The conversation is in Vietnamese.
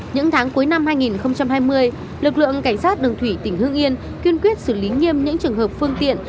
những tháng cuối năm hai nghìn hai mươi lực lượng cảnh sát đường thủy tỉnh hương yên kiên quyết xử lý nghiêm những trường hợp phương tiện